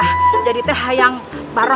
nihiru mah mau ikutin kita terus